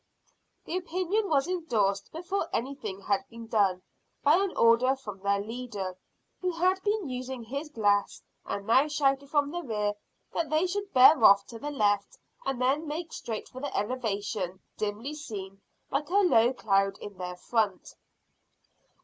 The opinion was endorsed before anything had been done, by an order from their leader, who had been using his glass, and now shouted from the rear that they should bear off to the left and then make straight for the elevation dimly seen like a low cloud in their front.